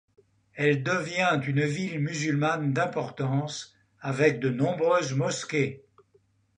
Elle devient une ville musulmane d'importance avec de nombreuses mosquées.